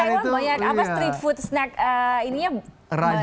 karena taiwan banyak apa street food snack ininya banyak banget